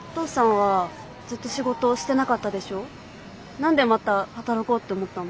何でまた働こうって思ったの？